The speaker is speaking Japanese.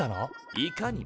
いかにも。